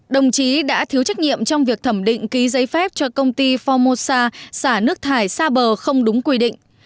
đồng chí đã thiếu trách nhiệm trong việc thẩm định ký giấy phép cho công ty formosa xả nước thải xa bờ không đúng quy định